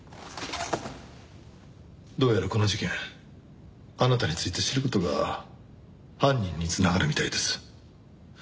どうやらこの事件あなたについて知る事が犯人に繋がるみたいです。